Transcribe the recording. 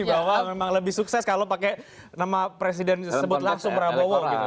bahwa memang lebih sukses kalau pakai nama presiden disebut langsung prabowo gitu